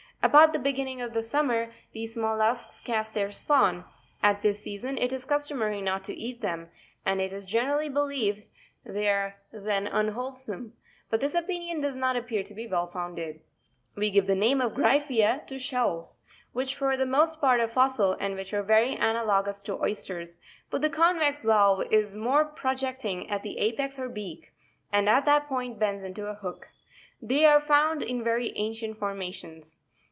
About the beginning of summer these mollusks cast their spawn : at this season it is customary not to eat them, and it is generally believed they are then unwholesome, but this opinion does not appear to be well founded. 9. We give the name of Gryruma to shells, which for the most part are fossil, and which are very analogous to oysters, but the convex valve is more pro jecting at the apex or beak, and at Ai «(( that point bends into a hook (fig.90). They are found in very ancient for Sa mations.